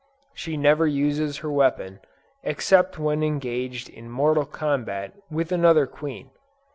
She never uses her weapon, except when engaged in mortal combat with another queen.